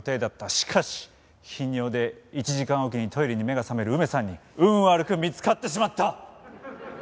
しかし頻尿で１時間おきにトイレに目が覚める梅さんに運悪く見つかってしまった！